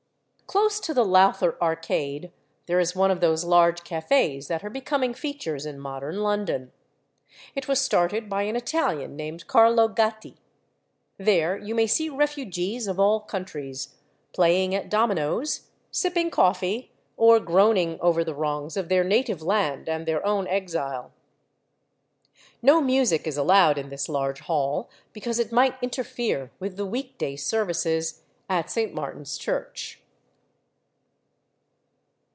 Close to the Lowther Arcade there is one of those large cafés that are becoming features in modern London. It was started by an Italian named Carlo Gatti. There you may see refugees of all countries, playing at dominoes, sipping coffee, or groaning over the wrongs of their native land and their own exile. No music is allowed in this large hall, because it might interfere with the week day services at St. Martin's Church.